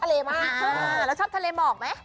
มากแล้วชอบทะเลหมอกไหม